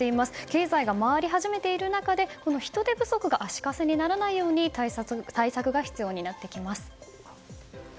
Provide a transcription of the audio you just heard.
経済が回り始めている中で人手不足が足かせにならないような対策が必要になります。